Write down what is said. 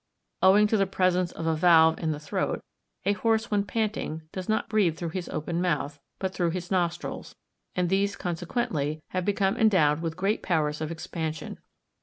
Owing to the presence of a valve in the throat, a horse when panting does not breathe through his open mouth, but through his nostrils; and these consequently have become endowed with great powers of expansion.